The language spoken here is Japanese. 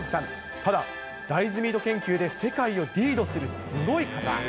ただ、大豆ミート研究で世界をリードするすごい方。